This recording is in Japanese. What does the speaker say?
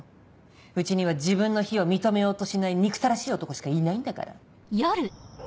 うちには自分の非を認めようとしない憎たらしい男しかいないんだから。